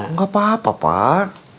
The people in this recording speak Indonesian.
gak apa apa pak